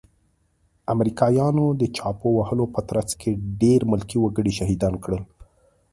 امريکايانو د چاپو وهلو په ترڅ کې ډير ملکي وګړي شهيدان کړل.